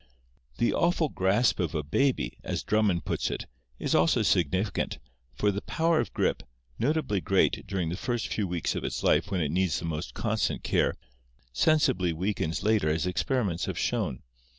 The " awful grasp of a baby," as Drummond puts it, is also signif icant, for the power of gap, notably great during the first few weeks of its life when it needs the most constant care, sensibly weakens later as experiments have shown.